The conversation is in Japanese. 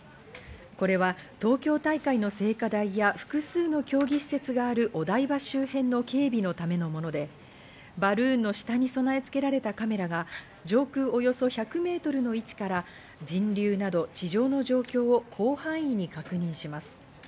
これは東京大会の聖火台や複数の競技施設がある、お台場周辺の警備のためのもので、バルーンの下に備え付けられたカメラが上空およそ１００ｍの位置から人流など地上の状況を広範囲に確認します。